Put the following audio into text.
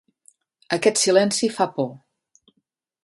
Aquest silenci fa por.